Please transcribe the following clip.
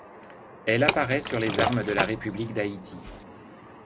Elle apparaît sur les armes de la république d'Haïti.